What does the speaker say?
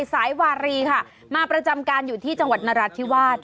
วารีค่ะมาประจำการอยู่ที่จังหวัดนราธิวาส